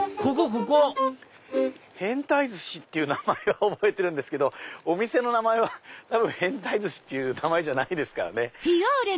ここ変タイ鮨っていう名前は覚えてるんですけどお店の名前は変タイ鮨って名前じゃないですからね。